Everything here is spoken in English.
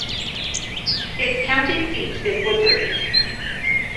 Its county seat is Woodbury.